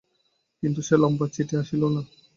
কিন্তু সে লম্বা চিঠি আসিল না।